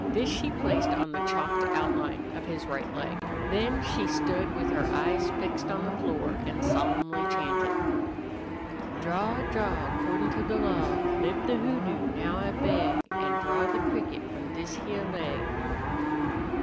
This she placed on the chalked outline of his right leg. Then she stood with her eyes fixed on the floor and solemnly chanted: "Draw, draw, 'cordin' to the law, Lif' the hoodoo, now I beg, An' draw the cricket F'om this heah leg!"